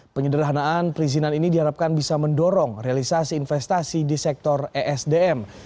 penyederhanaan perizinan ini diharapkan bisa mendorong realisasi investasi di sektor esdm